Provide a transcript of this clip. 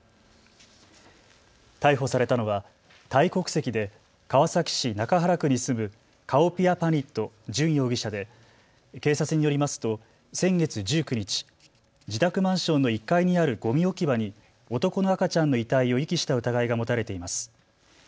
逮捕されたのはタイ国籍で川崎市中原区に住むカオピアパニット・ジュン容疑者で警察によりますと先月１９日、自宅マンションの１階にあるごみ置き場に男の赤ちゃんの遺体を遺棄した疑いが持たれています。